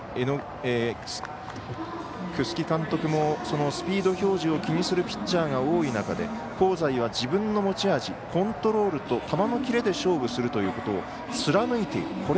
楠城監督もスピード表示を気にするピッチャーが多い中で、香西は自分の持ち味コントロールと球のキレで勝負するということを貫いている。